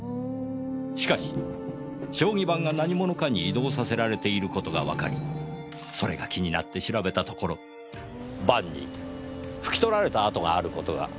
しかし将棋盤が何者かに移動させられている事がわかりそれが気になって調べたところ盤に拭き取られた跡がある事が鑑識の調べでわかりました。